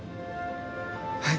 はい。